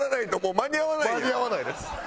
間に合わないです。